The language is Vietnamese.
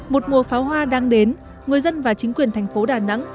một mùa pháo hoa đang đến người dân và chính quyền thành phố đà nẵng